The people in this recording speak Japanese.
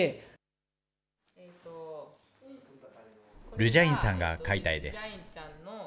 ルジャインさんが描いた絵です。